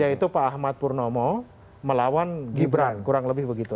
yaitu pak ahmad purnomo melawan gibran kurang lebih begitu